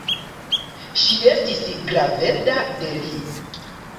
Ŝi estis graveda de li.